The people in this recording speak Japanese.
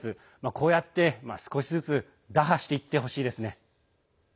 こうやって少しずつ打破していってほしいですね。